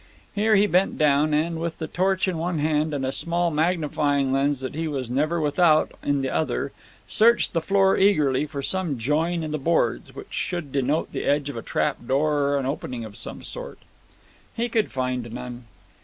Here he bent down, and, with the torch in one hand, and a small magnifying lens that he was never without in the other, searched the floor eagerly for some join in the boards, which should denote the edge of a trap door or an opening of some sort. He could find none.